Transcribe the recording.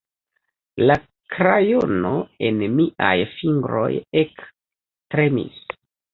La krajono en miaj fingroj ektremis.